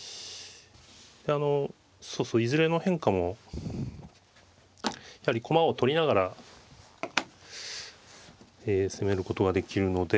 であのいずれの変化もやはり駒を取りながらええ攻めることができるので。